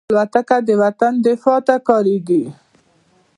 الوتکه د وطن دفاع ته کارېږي.